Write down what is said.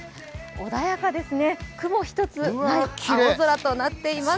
穏やかですね、雲一つない青空となっています。